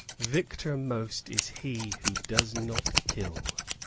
Victor most is he who does not kill."